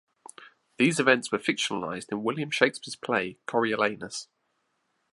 These events were fictionalized in William Shakespeare's play "Coriolanus".